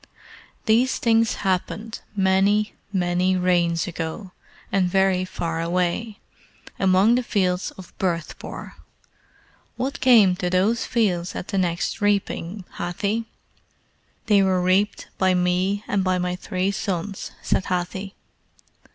These things happened many, many Rains ago, and very far away among the fields of Bhurtpore. What came to those fields at the next reaping, Hathi?" "They were reaped by me and by my three sons," said Hathi.